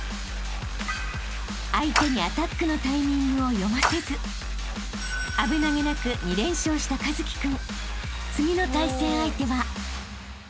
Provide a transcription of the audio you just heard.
［相手にアタックのタイミングを読ませず危なげなく２連勝した一輝君］